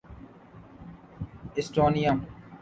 Estonia